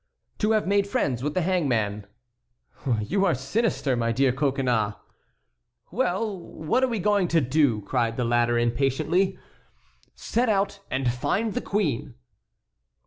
"To have made friends with the hangman." "You are sinister, my dear Coconnas." "Well, what are we going to do?" cried the latter, impatiently. "Set out and find the queen."